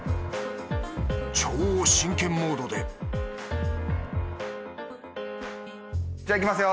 超真剣モードでじゃあいきますよ。